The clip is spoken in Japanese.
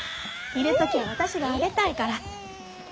いる時は私があげたいから。